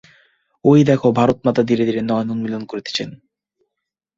ঐ দেখ, ভারতমাতা ধীরে ধীরে নয়ন উন্মীলন করিতেছেন।